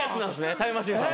タイムマシーンさん。